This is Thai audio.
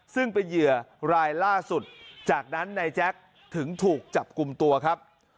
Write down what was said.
ซึ่งเป็นเหยื่อรายล่าสุดจากนั้นนายแจ๊คถึงถูกจับกลุ่มตัวครับ